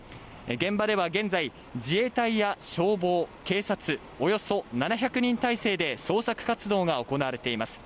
現場では現在、自衛隊や消防、警察、およそ７００人態勢で捜索活動が行われています。